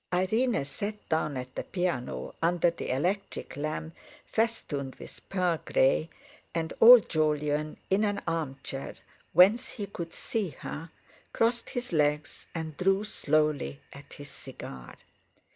Irene sat down at the piano under the electric lamp festooned with pearl grey, and old Jolyon, in an armchair, whence he could see her, crossed his legs and drew slowly at his cigar.